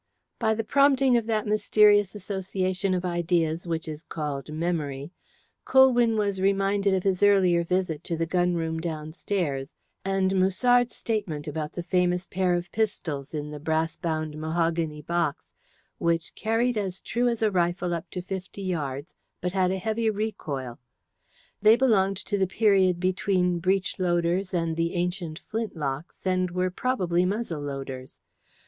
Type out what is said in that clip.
By the prompting of that mysterious association of ideas which is called memory, Colwyn was reminded of his earlier visit to the gun room downstairs, and Musard's statement about the famous pair of pistols in the brass bound mahogany box, which "carried as true as a rifle up to fifty yards, but had a heavy recoil." They belonged to the period between breech loaders and the ancient flint locks, and were probably muzzle loaders.